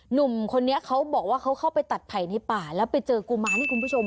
หนุ่มคนนี้เขาบอกว่าเขาเข้าไปตัดไผ่ในป่าแล้วไปเจอกุมารนี่คุณผู้ชม